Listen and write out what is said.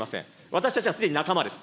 私たちはすでに仲間です。